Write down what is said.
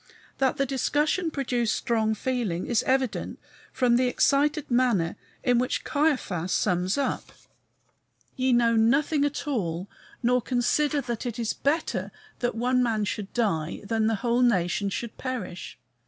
That the discussion produced strong feeling is evident from the excited manner in which Caiaphas sums up: "Ye know nothing at all, nor consider that it is better that one man should die than that the whole nation should perish."